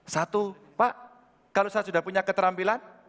satu pak kalau saya sudah punya keterampilan